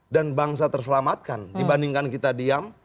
dan bangsa terselamatkan dibandingkan kita diam